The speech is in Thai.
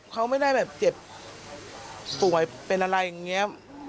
เขาไม่ได้แบบเจ็บป่วยเป็นอะไรอย่างนี้